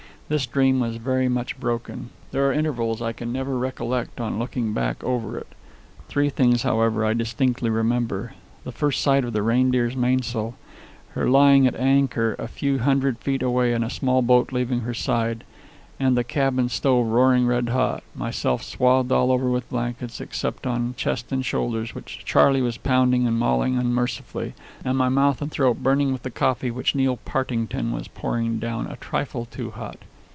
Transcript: This dream was very much broken. There are intervals I can never recollect on looking back over it. Three things, however, I distinctly remember: the first sight of the Reindeer's mainsail; her lying at anchor a few hundred feet away and a small boat leaving her side; and the cabin stove roaring red hot, myself swathed all over with blankets, except on the chest and shoulders, which Charley was pounding and mauling unmercifully, and my mouth and throat burning with the coffee which Neil Partington was pouring down a trifle too hot.